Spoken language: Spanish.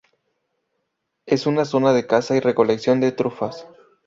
Es una zona de caza y recolección de trufas.